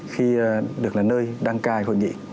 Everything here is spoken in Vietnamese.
khi được là nơi đăng cài hội nghị